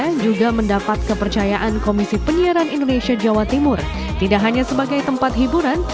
mereka juga mendapat kepercayaan komisi penyiaran indonesia jawa timur tidak hanya sebagai tempat hiburan